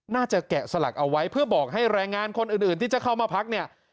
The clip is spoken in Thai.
แกะสลักเอาไว้เพื่อบอกให้แรงงานคนอื่นที่จะเข้ามาพักเนี่ย